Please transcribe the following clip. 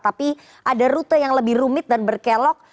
tapi ada rute yang lebih rumit dan berkelok